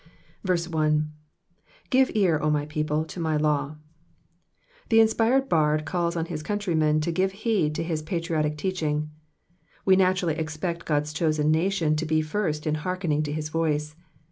1. ^^Oive etir^ 0 my people^ to my law,'*'' The inspired bard calls on his countrymen to give heed to his patriotic teaching. We naturally expect God's chosen nation to be first in hearkening to his voice.